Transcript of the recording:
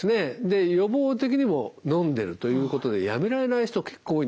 で予防的にものんでるということでやめられない人結構多いんですね。